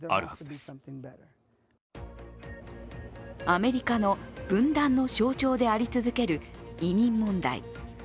アメリカの分断の象徴であり続ける移民問題。